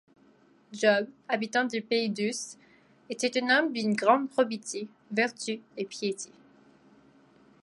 Job, habitant le pays d'Us, était un homme d'une grande probité, vertu et piété.